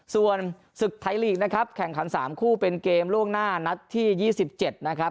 ส่วนศึกไทยลีกนะครับแข่งขัน๓คู่เป็นเกมล่วงหน้านัดที่๒๗นะครับ